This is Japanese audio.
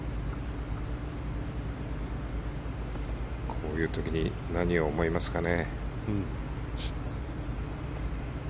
こういう時に何を思いますかね。